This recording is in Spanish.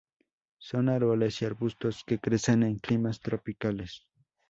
Son árboles y arbustos que crecen en climas tropicales.